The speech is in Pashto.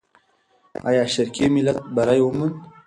آیا شرقي ملت بری وموند؟